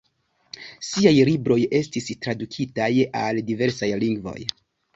Ŝiaj libroj estis tradukitaj al diversaj lingvoj.